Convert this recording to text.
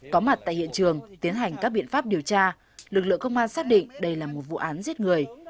có mặt tại hiện trường tiến hành các biện pháp điều tra lực lượng công an xác định đây là một vụ án giết người